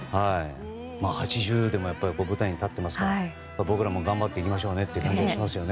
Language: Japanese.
８０でも舞台に立っていますから僕らも頑張っていきましょうねという感じがしますよね。